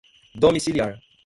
domiciliar